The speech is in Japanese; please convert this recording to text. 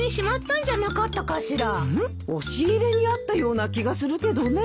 押し入れにあったような気がするけどね。